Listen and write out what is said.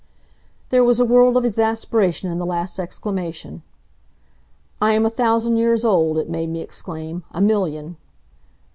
There was a world of exasperation in the last exclamation. "I am a thousand years old," it made me exclaim, "a million!"